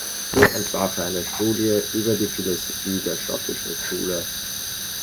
Hier entwarf er eine Studie über die Philosophie der Schottischen Schule.